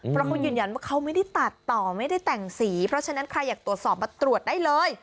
เพราะเขายืนยันว่าเขาไม่ได้ตัดต่อไม่ได้แต่งสีเพราะฉะนั้นใครอยากตรวจสอบมาตรวจได้เลย